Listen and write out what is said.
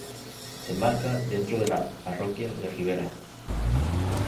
Se enmarca dentro de la parroquia de Riberas.